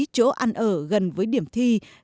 chỗ ăn ở gần với điểm thi